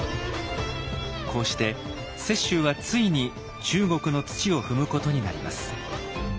こうして雪舟はついに中国の土を踏むことになります。